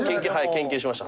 研究しました。